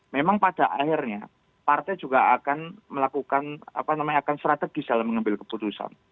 memang pada akhirnya partai juga akan melakukan strategis dalam mengambil keputusan